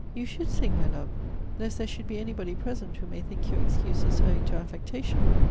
you should sing, my love, lest there should be any body present who may think your excuses owing to affectation.'